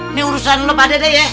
ini urusan lo pada deh ya